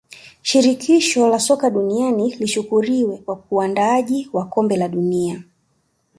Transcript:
shirikisho la soka duniani lishukriwe kwa uandaaji wa kombe la dunia